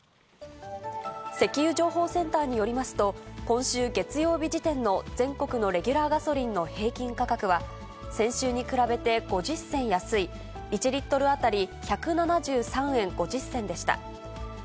石油情報センターによりますと、今週月曜日時点の全国のレギュラーガソリンの平均価格は、先週に比べて５０銭安い、１リットル当たり１７３円５０銭でした。